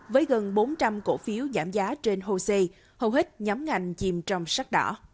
với gần bốn trăm linh cổ phiếu giảm giá trên hosea hầu hết nhóm ngành chìm trong sắc đỏ